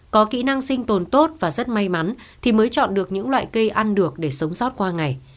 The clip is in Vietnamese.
có kỹ năng sinh tồn tốt và rất may mắn thì mới chọn được những loại cây ăn được để sống sót qua ngày